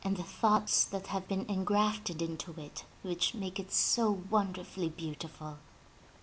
193 M Y BOOK HOUSE thoughts that have been engrafted into it which make it so won derfully beautiful.